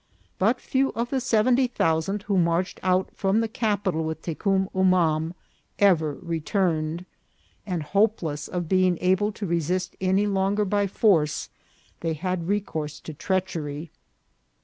But few of the seventy thousand who marched out from the capital with Te cum Umam ever returned ; and, hopeless of being able to resist any longer by force, they had recourse to treachery.